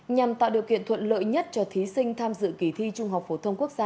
nhằm tạo điều kiện thuận lợi nhất cho thí sinh tham dự kỳ thi trung học phổ thông quốc gia